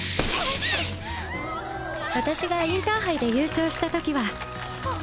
私がインターハイで優勝した時はクソッ！